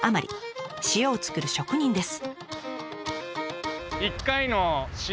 塩を作る職人です。